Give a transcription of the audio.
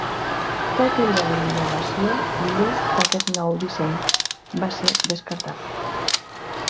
Tot i la innovació l'ús d'aquest nou disseny va ser descartat.